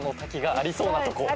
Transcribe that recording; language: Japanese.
ありそうなとこ？